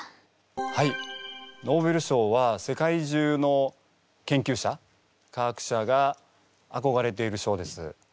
はいノーベル賞は世界中の研究者科学者があこがれている賞です。